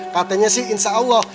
katanya sih insya allah